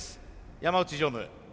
山内常務